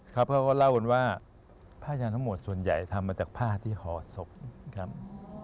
เขาก็เล่ากันว่าผ้ายันทั้งหมดส่วนใหญ่ทำมาจากผ้าที่ห่อศพครับ